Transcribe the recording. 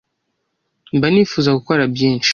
mba nifuza gukora byinshi